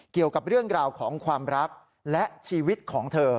เกี่ยวกับเรื่องราวของความรักและชีวิตของเธอ